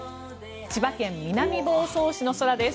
千葉県南房総市の空です。